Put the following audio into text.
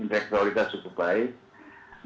inteks dualitas cukup baik